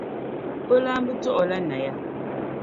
O laamba dɔɣi o la Naya.